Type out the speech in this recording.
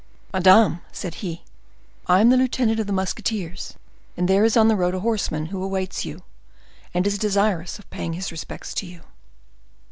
"Madame," said he, "I am the lieutenant of the musketeers, and there is on the road a horseman who awaits you, and is desirous of paying his respects to you."